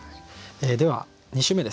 では２首目です。